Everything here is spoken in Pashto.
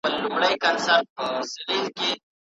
هغه وویل چې پوهه د انسان د شخصیت د جوړولو اله ده.